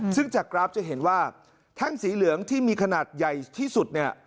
ซึ่งจากกราฟจะเห็นว่าแท่งสีเหลืองที่มีขนาดใหญ่ที่สุดเนี่ย